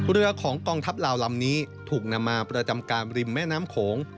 เรือของกองทัพลาวลำนี้ถูกนำมาประจำการริมแม่น้ำโขง